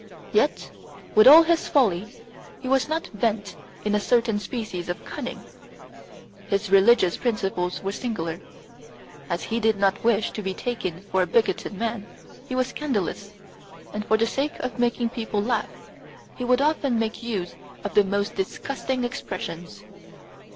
Yet with all his folly he was not wanting in a certain species of cunning. His religious principles were singular. As he did not wish to be taken for a bigoted man, he was scandalous, and for the sake of making people laugh he would often make use of the most disgusting expressions.